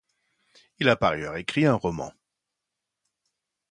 Il a par ailleurs écrit un roman.